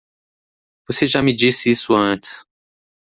Você já me disse isso antes.